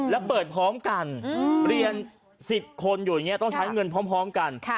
แล้วเปิดพร้อมกันเรียน๑๐คนอยู่อย่างนี้ต้องใช้เงินพร้อมกัน